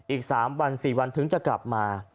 อีก๓วัน๔วันถึงจะกลับมา